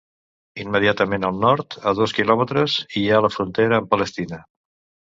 Immediatament al nord, a dos quilòmetres, hi ha la frontera amb Palestina.